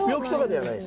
はい。